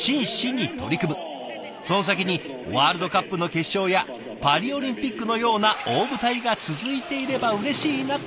その先にワールドカップの決勝やパリオリンピックのような大舞台が続いていればうれしいな」って。